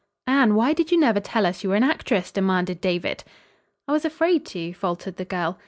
"Anne, why did you never tell us you were an actress!" demanded David. "I was afraid to," faltered the girl.